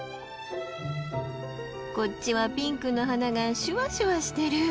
こっちはピンクの花がシュワシュワしてる。